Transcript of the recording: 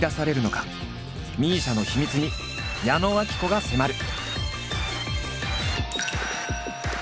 ＭＩＳＩＡの秘密に矢野顕子が迫る。